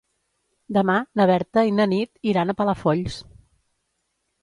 Demà na Berta i na Nit iran a Palafolls.